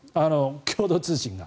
共同通信が。